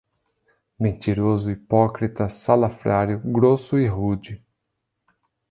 Mentiroso, hipócrita, salafrário, grosso e rude